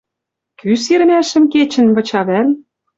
Кӱ сирӹмӓшӹм кечӹнь выча вӓл?